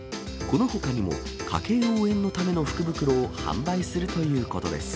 このほかにも、家計応援のための福袋を販売するということです。